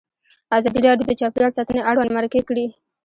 ازادي راډیو د چاپیریال ساتنه اړوند مرکې کړي.